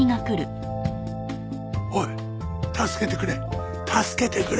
おい助けてくれ助けてくれ！